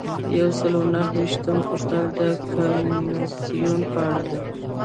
یو سل او نهه ویشتمه پوښتنه د کنوانسیون په اړه ده.